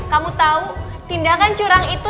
kamu tahu tindakan curang itu